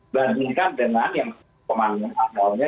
bandingkan dengan yang kemanusiaannya